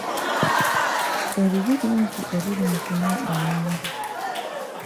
Ebibi bingi ebiri mu kunywa omwenge.